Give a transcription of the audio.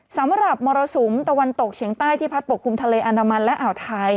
สำหรับมรสุมตะวันตกเฉียงใต้ที่พัดปกคลุมทะเลอันดามันและอ่าวไทย